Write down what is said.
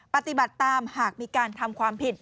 ปฏิบัติตามหากมีการทำความผิด